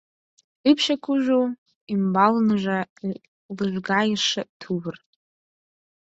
Ӱпшӧ кужу, ӱмбалныже лыжгайыше тувыр.